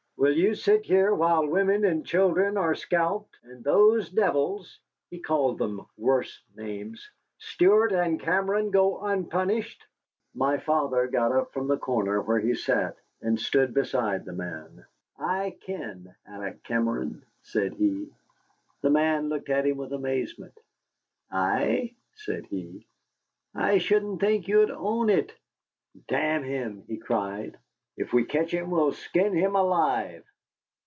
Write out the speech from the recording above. Will you sit here while women and children are scalped, and those devils" (he called them worse names) "Stuart and Cameron go unpunished?" My father got up from the corner where he sat, and stood beside the man. "I ken Alec Cameron," said he. The man looked at him with amazement. "Ay?" said he, "I shouldn't think you'd own it. Damn him," he cried, "if we catch him we'll skin him alive."